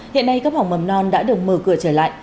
hiện nay cấp học mầm non đã được mở cửa trở lại